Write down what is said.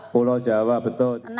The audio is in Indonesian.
pulau jawa betul